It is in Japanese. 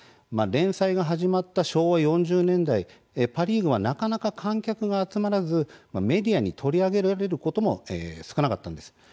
連載が始まった昭和４０年代パ・リーグはなかなか観客が集まらずメディアに取り上げられることも少なかったんです。